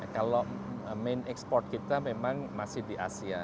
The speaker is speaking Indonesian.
kalau main export kita memang masih di asia